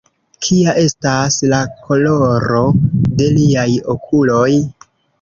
Kia estas la koloro de liaj okuloj?